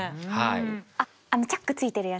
あのチャック付いてるやつ。